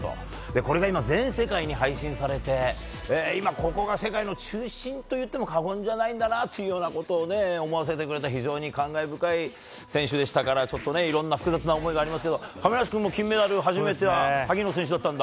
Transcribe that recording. これが全世界に配信されて今ここが世界の中心と言っても過言じゃないんだなということを思わせてくれた非常に感慨深い選手でしたからいろんな複雑な思いがありますけど、亀梨君も金メダルの初めては萩野選手だったんだ。